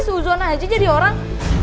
susan aja jadi orang